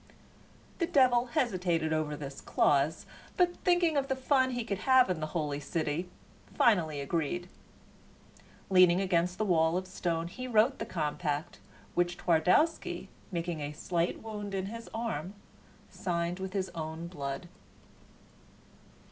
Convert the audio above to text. The devil hesitated over this clause, but thinking of the fun he could have in the holy city, finally agreed. Leaning against the wall of stone he wrote the compact, which Twardowski, making a slight wound in his arm, signed with his own blood.